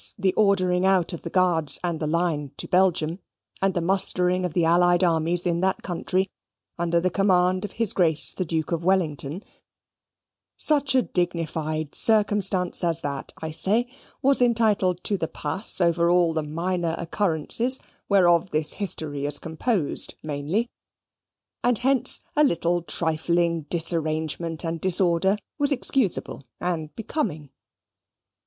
the ordering out of the Guards and the line to Belgium, and the mustering of the allied armies in that country under the command of his Grace the Duke of Wellington such a dignified circumstance as that, I say, was entitled to the pas over all minor occurrences whereof this history is composed mainly, and hence a little trifling disarrangement and disorder was excusable and becoming.